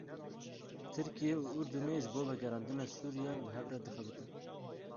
Tirkiye û Urdunê ji bo vegerandina Sûriyan bi hev re dixebitin.